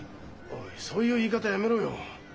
おいそういう言い方やめろよ。